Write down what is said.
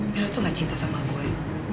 beliau tuh gak cinta sama gue